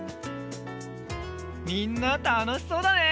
みんなたのしそうだね！